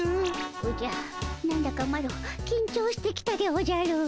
おじゃ何だかマロきんちょうしてきたでおじゃる。